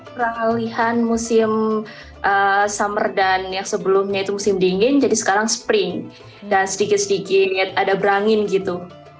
peralihan musim summer dan yang sebelumnya itu musim dingin jadi sekarang spring dan sedikit sedikit ada berangin gitu